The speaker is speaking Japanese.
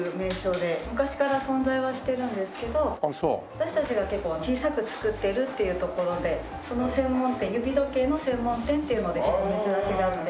私たちが結構小さく作ってるっていうところでその専門店指時計の専門店っていうので珍しがって。